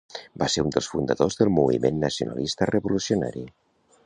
Va ser un dels fundadors del Moviment Nacionalista Revolucionari.